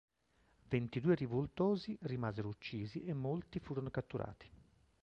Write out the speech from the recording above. Ventidue rivoltosi rimasero uccisi e molti furono catturati.